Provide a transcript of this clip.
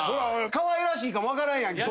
かわいらしいかも分からんやん。